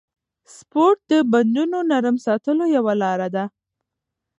سپورت د بندونو نرم ساتلو یوه لاره ده.